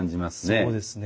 そうですね。